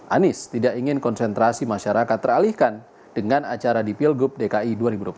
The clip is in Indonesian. anies tidak ingin konsentrasi masyarakat teralihkan dengan acara di pilgub dki dua ribu dua puluh